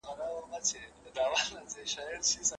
پر جل وهلي زړه مي ډکه پیمانه لګېږې